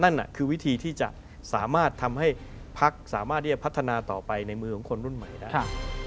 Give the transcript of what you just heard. นั่นคือวิธีที่จะสามารถทำให้พักสามารถที่จะพัฒนาต่อไปในมือของคนรุ่นใหม่ได้